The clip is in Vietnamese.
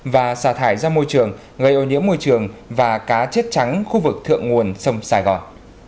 và xả thải ra môi trường gây ô nhiễm môi trường và cá chết trắng khu vực thượng nguồn sông sài gòn